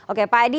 oke pak edi